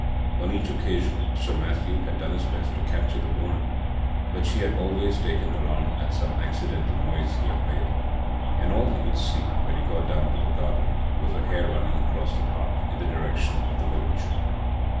On each occasion Sir Matthew had done his best to capture the woman, but she had always taken alarm at some accidental noise he had made, and all he could see when he got down to the garden was a hare running across the park in the direction of the village.